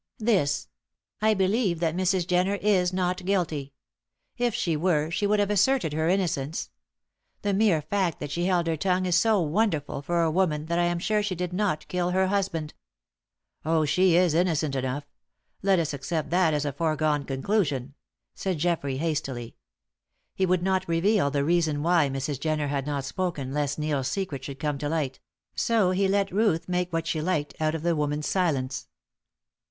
"This. I believe that Mrs. Jenner is not guilty. If she were, she would have asserted her innocence. The mere fact that she held her tongue is so wonderful for a woman that I am sure she did not kill her husband." "Oh, she is innocent enough; let us accept that as a foregone conclusion," said Geoffrey, hastily. He would not reveal the real reason why Mrs. Jenner had not spoken lest Neil's secret should come to light; so he let Ruth make what she liked out of the woman's silence.